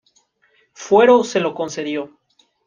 Fuero se lo concedió.